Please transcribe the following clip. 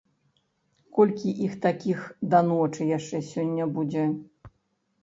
Колькі іх такіх да ночы яшчэ сёння будзе!